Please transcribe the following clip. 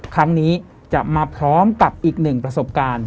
ครั้งนี้จะมาพร้อมกับอีกหนึ่งประสบการณ์